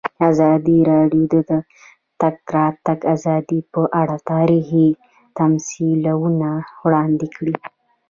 ازادي راډیو د د تګ راتګ ازادي په اړه تاریخي تمثیلونه وړاندې کړي.